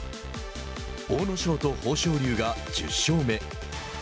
阿武咲と豊昇龍が１０勝目。